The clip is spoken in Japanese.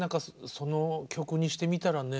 その曲にしてみたらね